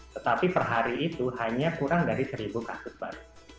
tetapi per hari itu hanya kurang dari seribu kasus baru